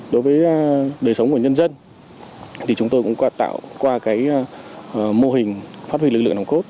đối với đời sống của nhân dân thì chúng tôi cũng tạo qua mô hình phát huy lực lượng nồng cốt